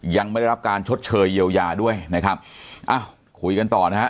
ยังไม่ได้รับการชดเชยเยียวยาด้วยนะครับอ้าวคุยกันต่อนะฮะ